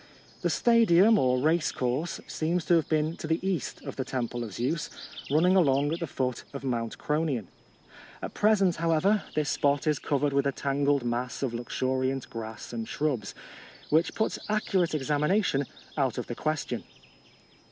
The stadium, or race course, seems to have been to the east of the temple of Zeus, running along at the foot of Mount Kronion. At pre sent, however, this spot is covered with a tangled mass of luxuriant grass and shrubs, which puts accur ate examination out of the question.